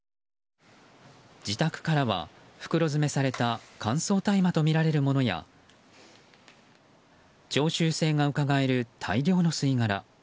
自宅からは、袋詰めされた乾燥大麻とみられるものや常習性がうかがえる大量の吸い殻